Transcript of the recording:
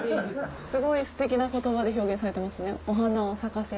すごいステキな言葉で表現されてますね。